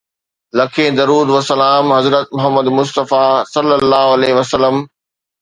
لکين درود و سلام حضرت محمد مصطفيٰ صلي الله عليه وسلم.